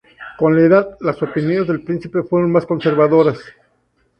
Con la edad las opiniones del príncipe fueron más conservadoras.